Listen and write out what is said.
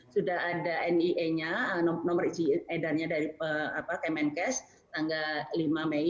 sudah ada nie nya nomor edarnya dari kemenkes tanggal lima mei